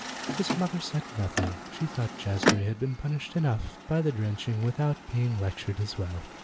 His mother said nothing. She thought Jazbury had been punished enough by the drenching without being lectured as well.